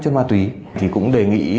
cho ma túy thì cũng đề nghị